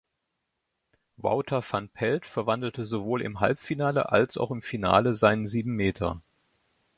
Wouter van Pelt verwandelte sowohl im Halbfinale als auch im Finale seinen Siebenmeter.